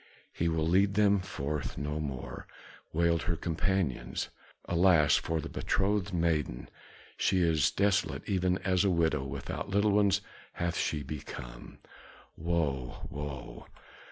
"He will lead them forth no more!" wailed her companions. "Alas for the betrothed maiden! She is desolate, even as a widow without little ones hath she become!" "Woe! Woe!"